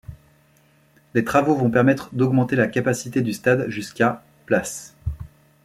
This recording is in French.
Les travaux vont permettre d'augmenter la capacité du stade jusqu'à places.